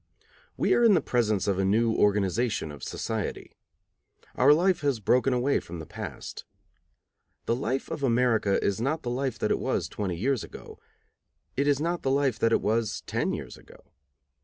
We are in the presence of a new organization of society. Our life has broken away from the past. The life of America is not the life that it was twenty years ago; it is not the life that it was ten years ago.